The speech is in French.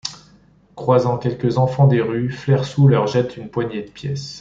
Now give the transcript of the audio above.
Croisant quelques enfants des rues, Flairsou leur jette une poignée de pièces.